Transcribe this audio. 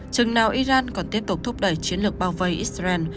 chừng nào iran còn tiếp tục thúc đẩy chiến lược bao vây israel